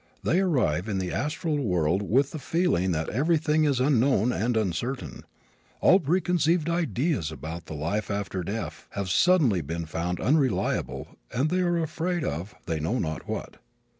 They arrive in the astral world with the feeling that everything is unknown and uncertain. All preconceived ideas about the life after death have suddenly been found unreliable and they are afraid of, they know not what.